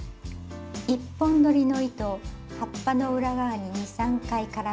１本どりの糸を葉っぱの裏側に２３回絡めます。